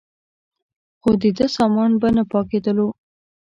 خو دده سامان به نه پاکېدلو.